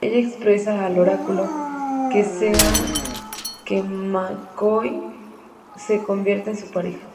Ella expresa al Oráculo que desea que McCoy se convierta en su pareja.